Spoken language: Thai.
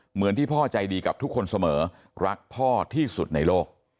เหมือนที่พ่อใจดีกับทุกคนเสมอรักพ่อที่สุดในโลก